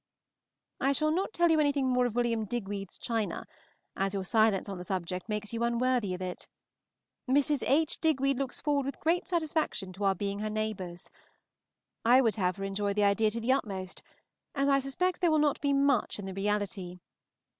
I shall not tell you anything more of Wm. Digweed's china, as your silence on the subject makes you unworthy of it. Mrs. H. Digweed looks forward with great satisfaction to our being her neighbors. I would have her enjoy the idea to the utmost, as I suspect there will not be much in the reality.